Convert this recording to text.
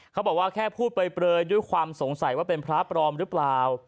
เขาบอกว่าแค่พูดเปลยด้วยความสงสัยว่าเป็นพระปลอมหรือเปล่า